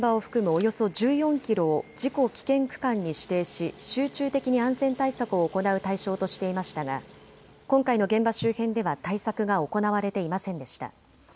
およそ１４キロを事故危険区間に指定し集中的に安全対策を行う対象としていましたが今回の現場周辺では対策が行われていませんでした。